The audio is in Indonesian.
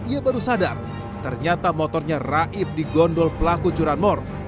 ia baru sadar ternyata motornya raib di gondol pelaku curanmor